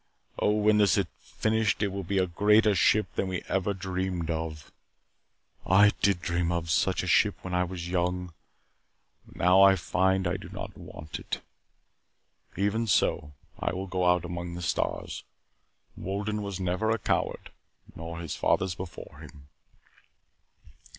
Oh, when this is finished it will be a greater ship than we ever dreamed of. I did dream of such a ship when I was young. But now I find that I do not want it. Even so, I will go out among the stars. Wolden was never a coward, nor his fathers before him."